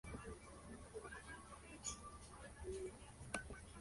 Las principales actividades económicas son: agricultura, ganadería y minería.